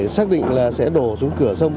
xác định là sẽ đổ xuống cửa sông